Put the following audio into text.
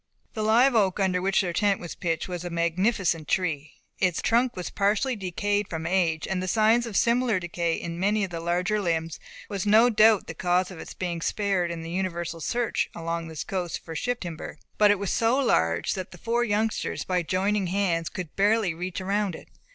The live oak, under which their tent was pitched, was a magnificent tree. Its trunk was partially decayed from age, and the signs of similar decay in many of the larger limbs was no doubt the cause of its being spared in the universal search along this coast for ship timber; but it was so large, that the four youngsters by joining hands could barely reach around it.